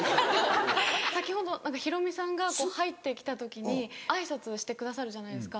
先ほどヒロミさんがこう入って来た時に挨拶してくださるじゃないですか。